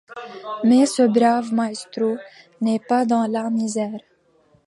Mais ce brave maestro n’est pas dans la misère ?